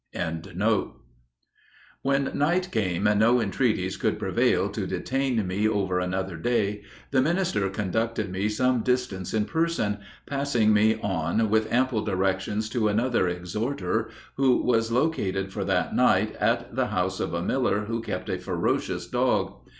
"] [Illustration: ARRIVAL HOME OF THE BAPTIST MINISTER.] When night came and no entreaties could prevail to detain me over another day, the minister conducted me some distance in person, passing me on with ample directions to another exhorter, who was located for that night at the house of a miller who kept a ferocious dog.